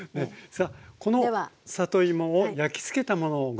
さあこの里芋を焼きつけたものをご覧頂きましょう。